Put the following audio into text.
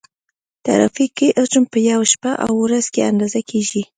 ترافیکي حجم په یوه شپه او ورځ کې اندازه کیږي